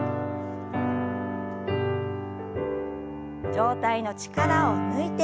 上体の力を抜いて前。